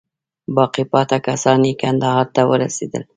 باقي پاته کسان یې کندهار ته ورسېدل.